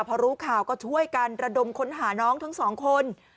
พอรู้ข่าวก็ช่วยกันระดมค้นหาน้องทั้งสองคน